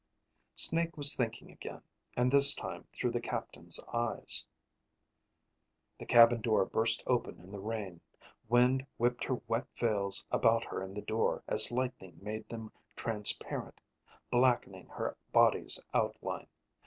Snake was thinking again, and this time through the captain's eyes. _The cabin door burst open in the rain. Wind whipped her wet veils about her in the door as lightning made them transparent, blackening her body's outline.